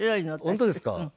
本当ですか。